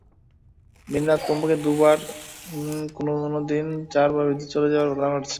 দিনরাতে কমপক্ষে দুবার, কোনো কোনো দিন চারবারও বিদ্যুৎ চলে যাওয়ার ঘটনা ঘটছে।